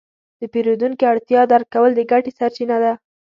د پیرودونکي اړتیا درک کول د ګټې سرچینه ده.